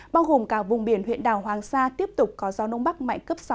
bao gồm cả vùng biển huyện đảo hoàng sa tiếp tục có gió nông bắc mạnh cấp sáu